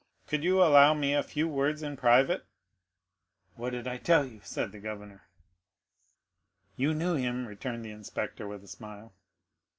Could you allow me a few words in private." "What did I tell you?" said the governor. "You knew him," returned the inspector with a smile.